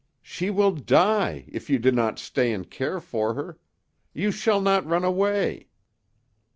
"She will die if you do not stay and care for her. You shall not run away!"